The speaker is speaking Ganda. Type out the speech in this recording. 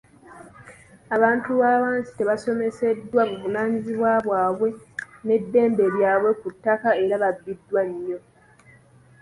Abantu ba wansi tebasomeseddwa buvunaanyizibwa bwabwe n’eddembe lyabwe ku ttaka era babbibwa nnyo.